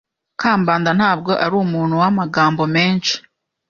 Kambanda ntabwo ari umuntu wamagambo menshi.